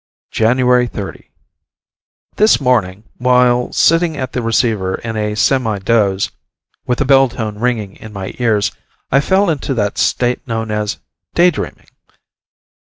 Jan. 30. This morning, while sitting at the receiver in a semi doze, with the bell tone ringing in my ears, I fell into that state known as "day dreaming."